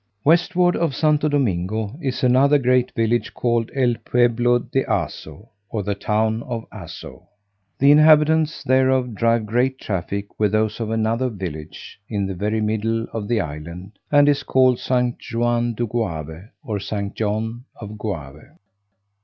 Westward of Santo Domingo is another great village called El Pueblo de Aso, or the town of Aso: the inhabitants thereof drive great traffic with those of another village, in the very middle of the island, and is called San Juan de Goave, or St. John of Goave.